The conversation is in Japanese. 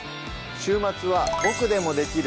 週末は「ボクでもできる！